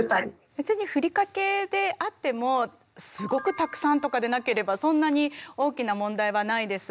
別にふりかけであってもすごくたくさんとかでなければそんなに大きな問題はないです。